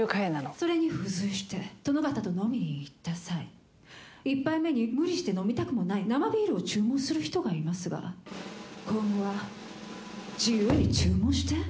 それに付随して殿方と飲みに行った際１杯目に無理して飲みたくもない生ビールを注文する人がいますが今後は自由に注文して。